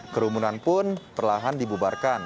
kerumunan pun perlahan diangkat